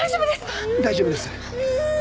大丈夫ですか！？